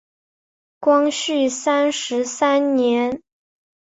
光绪三十三年。